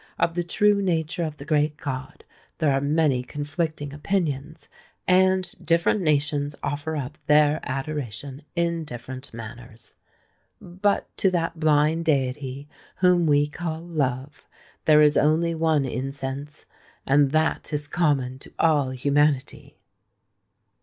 Of the true nature of the great God there are many conflicting opinions; and different nations offer up their adoration in different manners. But to that blind deity whom we call Love, there is only one incense—and that is common to all humanity!"